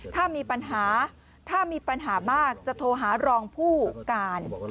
ถ้ามีปัญหาถ้ามีปัญหามากจะโทรหารองผู้การ